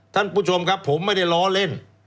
ท่านผู้ชมครับผมไม่ได้ล้อเล่น